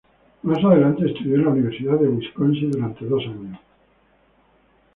Más adelante estudió en la Universidad de Wisconsin durante dos años.